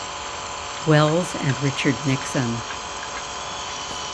Wells and Richard Nixon.